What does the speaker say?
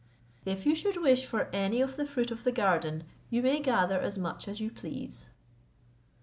If you should wish for any of the fruit of the garden, you may gather as much as you please."